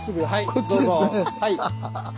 こっちですね。